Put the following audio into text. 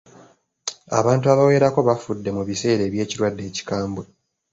Abantu abawerako bafudde mu biseera by'ekirwadde ekikambwe.